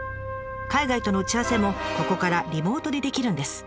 海外との打ち合わせもここからリモートでできるんです。